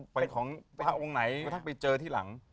บทใครท่องไหนก็ท่องไปเจอที่หลัง